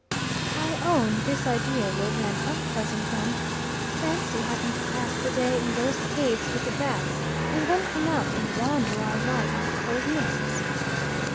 I own this idea was an unpleasant one fancy having to pass the day in those caves with the bats, and then come out and wander all night in the cold mists!